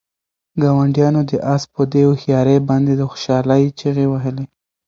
ګاونډیانو د آس په دې هوښیارۍ باندې د خوشحالۍ چیغې وهلې.